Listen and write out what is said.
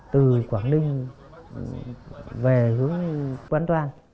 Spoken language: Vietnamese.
từ quảng ninh về hướng quán toan